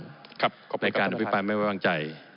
ครับขอบคุณครับท่านประธานครับในการอภิปรายไม่ว่างใจ